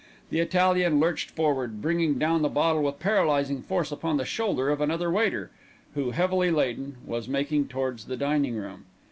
The Italian lurched forward, bringing down the bottle with paralysing force upon the shoulder of another waiter, who, heavily laden, was making towards the dining room.